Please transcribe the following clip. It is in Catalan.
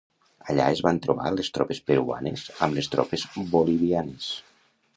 Allà es van trobar les tropes peruanes amb les tropes bolivianes.